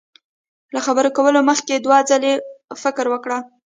له خبرو کولو مخ کي دوه ځلي فکر وکړه